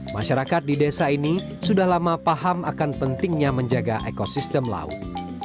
masyarakat di desa ini sudah lama paham akan pentingnya menjaga ekosistem laut